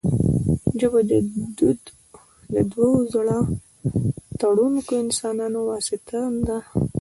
ژبه د دوو زړه تړونکو انسانانو واسطه ده